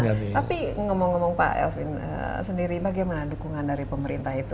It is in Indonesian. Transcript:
tapi ngomong ngomong pak elvin sendiri bagaimana dukungan dari pemerintah itu